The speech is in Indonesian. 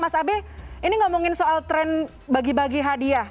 mas abe ini ngomongin soal tren bagi bagi hadiah